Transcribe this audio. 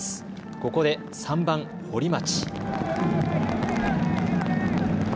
ここで３番・堀町。